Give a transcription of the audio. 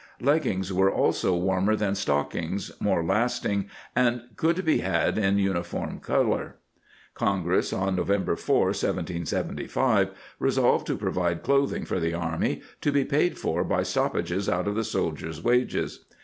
* Leggings were also warmer than stockings, more lasting, and could be had in uniform color.^ Congress, oh November 4, 1775', resolved to provide clothing for the army, to be paid for by stoppages out of the soldiers' wages.